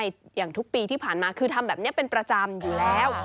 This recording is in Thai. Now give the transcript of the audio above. อย่างทุกปีที่ผ่านมาคือทำแบบนี้เป็นประจำอยู่แล้ว